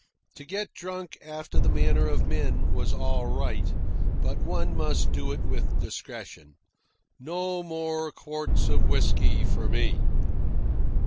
To get drunk after the manner of men was all right, but one must do it with discretion. No more quarts of whisky for me.